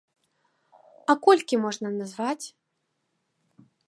А колькі можна назваць?